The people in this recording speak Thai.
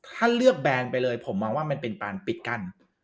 ถ้าเลือกแบนไปเลยผมมองว่ามันเป็นการปิดกั้น